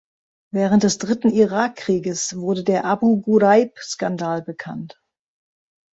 Während des dritten Irak-Krieges wurde der Abu-Ghuraib-Skandal bekannt.